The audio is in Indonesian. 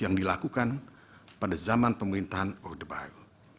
yang dilakukan pada zaman pemerintahan orde baru